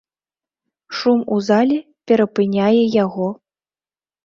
Шум у зале перапыняе яго.